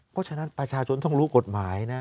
เพราะฉะนั้นประชาชนต้องรู้กฎหมายนะ